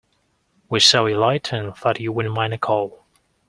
We saw your light, and thought you wouldn't mind a call.